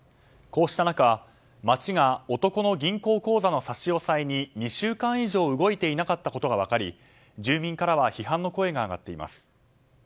こうした中町が男の銀行口座の差し押さえに２週間以上動いていなかったことが分かり住民からは批判の声が上がっています。